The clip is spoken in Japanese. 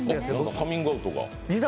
カミングアウトが。